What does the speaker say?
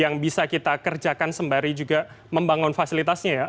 yang bisa kita kerjakan sembari juga membangun fasilitasnya ya